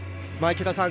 池田さん